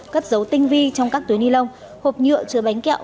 cất dấu tinh vi trong các túi ni lông hộp nhựa chứa bánh kẹo